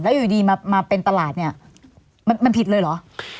แล้วอยู่ดีมาเป็นตลาดเนี่ยมันผิดเลยเหรอ